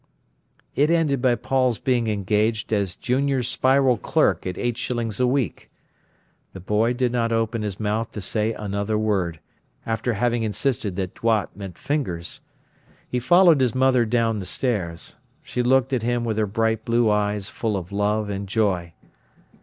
It ended by Paul's being engaged as junior spiral clerk at eight shillings a week. The boy did not open his mouth to say another word, after having insisted that "doigts" meant "fingers". He followed his mother down the stairs. She looked at him with her bright blue eyes full of love and joy.